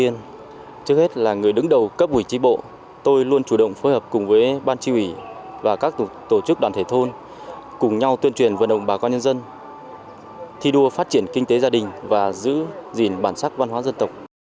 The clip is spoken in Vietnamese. những đầu cấp quỷ trì bộ tôi luôn chủ động phối hợp cùng với ban tri ủy và các tổ chức đoàn thể thôn cùng nhau tuyên truyền vận động bà con nhân dân thi đua phát triển kinh tế gia đình và giữ gìn bản sắc văn hóa dân tộc